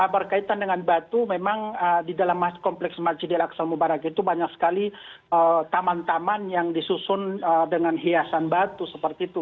berkaitan dengan batu memang di dalam kompleks masjidil aksal mubarak itu banyak sekali taman taman yang disusun dengan hiasan batu seperti itu